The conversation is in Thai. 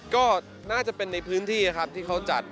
ก็น่าจะเป็นในพื้นที่ครับ